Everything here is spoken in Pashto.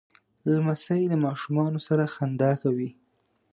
لمسی له ماشومانو سره خندا کوي.